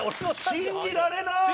「信じられなーい！」